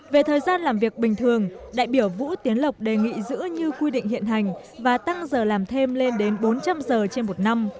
về thời gian làm việc bình thường đại biểu vũ tiến lộc đề nghị giữ như quy định hiện hành và tăng giờ làm thêm lên đến bốn trăm linh giờ trên một năm